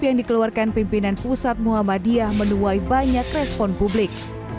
yang dikeluarkan pimpinan pusat muhammadiyah menuai banyak respon publik